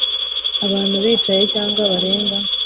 abantu bicaye cyangwa barenga